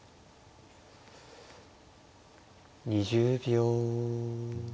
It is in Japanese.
２０秒。